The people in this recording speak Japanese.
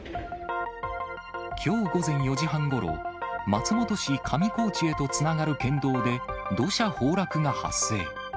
きょう午前４時半ごろ、松本市上高地へとつながる県道で土砂崩落が発生。